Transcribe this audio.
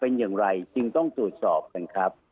เป็นอย่างไรจึงต้องตรวจสอบกันครับ